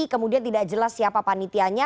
kemudian tidak jelas siapa panitianya